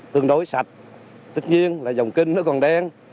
tương đối sạch tất nhiên là dòng kinh nó còn đen